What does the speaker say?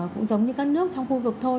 cũng giống như các nước trong khu vực thôi